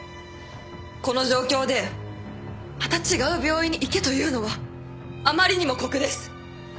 この状況でまた違う病院に行けというのはあまりにも酷です。